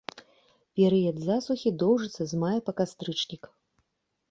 Перыяд засухі доўжыцца з мая па кастрычнік.